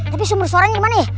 tapi sumber suaranya gimana ya